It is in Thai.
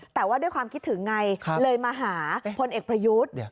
แต่ว่าด้วยความคิดถึงไงเลยมาหาพลเอกประยุทธ์